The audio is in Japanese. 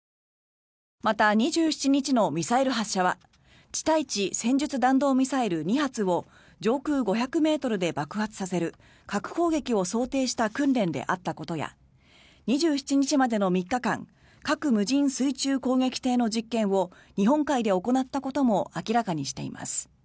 また、２７日のミサイル発射は地対地戦術弾道ミサイル２発を上空５００ｍで爆発させる核攻撃を想定した訓練であったことや２７日までの３日間核無人水中攻撃艇の攻撃を日本海で行ったことも明らかにしています。